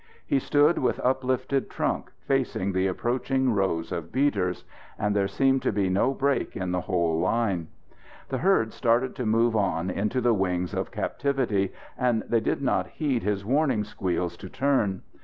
He stood with uplifted trunk, facing the approaching rows of beaters. And there seemed to be no break in the whole line. The herd started to move on into the wings of captitivity; and they did not heed his warning squeals to turn.